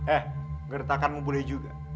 eh mengeritakanmu boleh juga